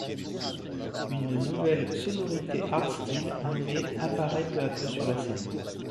Une nouvelle sonorité hardstyle nommée apparait peu à peu sur la scène.